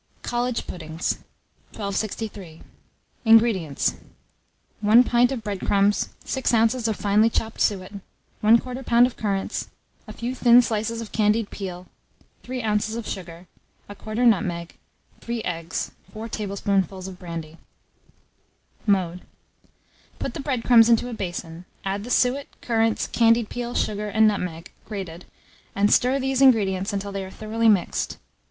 COLLEGE PUDDINGS. 1263. INGREDIENTS. 1 pint of bread crumbs, 6 oz. of finely chopped suet, 1/4 lb. of currants, a few thin slices of candied peel, 3 oz. of sugar, 1/4 nutmeg, 3 eggs, 4 tablespoonfuls of brandy. Mode. Put the bread crumbs into a basin; add the suet, currants, candied peel, sugar, and nutmeg, grated, and stir these ingredients until they are thoroughly mixed.